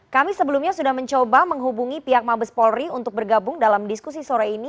kami sebelumnya sudah mencoba menghubungi pihak mabes polri untuk bergabung dalam diskusi sore ini